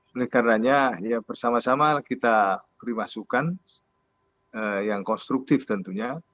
mereka karena bersama sama kita beri masukan yang konstruktif tentunya